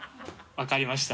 分かりました。